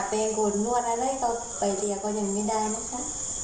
เป็นกฎน่วนอะไรก็ไหลเรียกก็ยังไม่ได้นะคะ